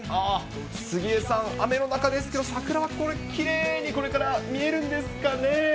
杉江さん、雨の中ですけれども、桜はこれ、きれいにこれから見えるんですかね。